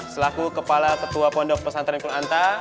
selaku kepala ketua pondok pesantren kunanta